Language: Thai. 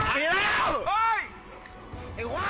ออกไปแล้ว